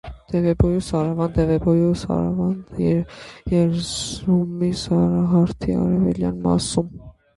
Դևեբոյնու (սարավանդ) Դևեբոյնու, սարավանդ Էրզրումի սարահարթի արևելյան մասում։